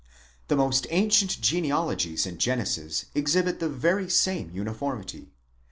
15 The most ancient genealogies in Genesis exhibit the very same uniformity.